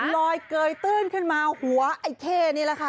ลอยเกยตื้นขึ้นมาหัวไอ้เข้นี่แหละค่ะ